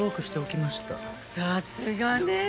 さすがね！